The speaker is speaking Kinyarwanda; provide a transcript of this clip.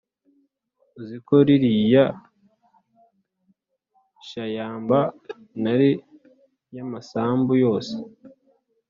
uziko ririya shayamba nari yamasambu yose